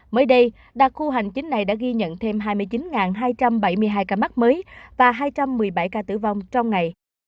mới đây đặc khu hành chính này đã ghi nhận thêm hai mươi chín hai trăm bảy mươi hai ca mắc mới và hai trăm một mươi bảy ca tử vong trong ngày